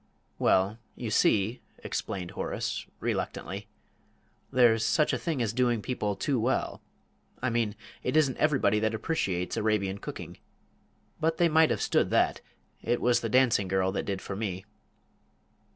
"Well, you see," explained Horace, reluctantly, "there's such a thing as doing people too well. I mean, it isn't everybody that appreciates Arabian cooking. But they might have stood that. It was the dancing girl that did for me."